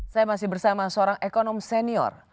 saya masih bersama seorang ekonom senior